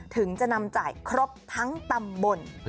ถึงจะนำจ่ายครบทั้งตำบล